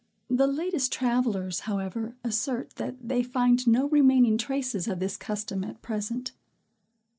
The latest travellers, however, assert, that they find no remaining traces of this custom at present.